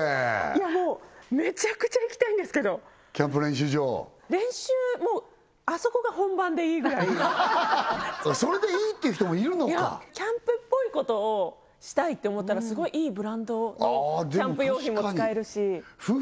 いやもうめちゃくちゃ行きたいんですけどキャンプ練習場練習もうあそこが本番でいいぐらいそれでいいっていう人もいるのかキャンプっぽいことをしたいって思ったらすごいいいブランドのキャンプ用品も使えるし夫婦